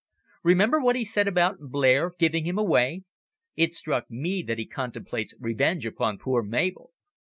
Remember what he said about Blair giving him away. It struck me that he contemplates revenge upon poor Mabel."